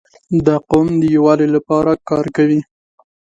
• دا قوم د یووالي لپاره کار کوي.